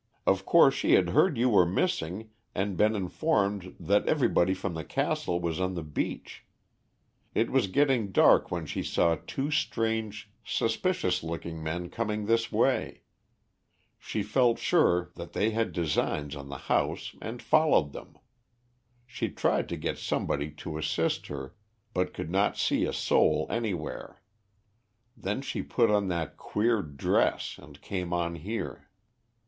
Of course she had heard you were missing and been informed that everybody from the castle was on the beach. It was getting dark when she saw two strange suspicious looking men coming this way. She felt sure that they had designs on the house and followed them. She tried to get somebody to assist her, but could not see a soul anywhere. Then she put on that queer dress and came on here.